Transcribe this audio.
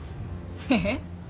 えっ？